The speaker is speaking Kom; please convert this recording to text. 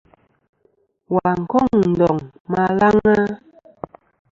Wà n-kôŋ ndòŋ ma alaŋ a?